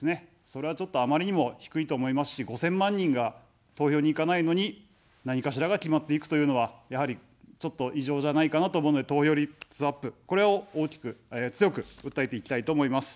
それは、ちょっとあまりにも低いと思いますし、５０００万人が投票に行かないのに何かしらが決まっていくというのは、やはり、ちょっと異常じゃないかなと思うので、投票率アップ、これを大きく、強く訴えていきたいと思います。